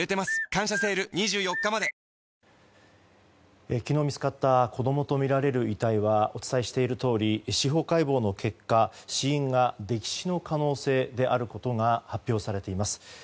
「感謝セール」２４日まで昨日、見つかった子供とみられる遺体はお伝えしているとおり司法解剖の結果死因が溺死の可能性であることが発表されています。